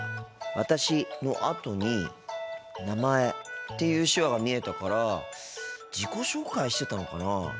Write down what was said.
「私」のあとに「名前」っていう手話が見えたから自己紹介してたのかなあ。